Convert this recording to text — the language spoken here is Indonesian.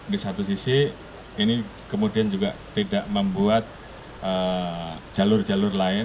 di satu sisi ini kemudian juga tidak membuat jalur jalur lain